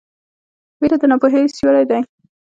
ویره د ناپوهۍ سیوری دی.